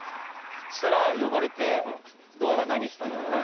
そしたら呼ばれて「ドアが何した！」って言われて。